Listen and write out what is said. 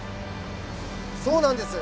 そうなんです。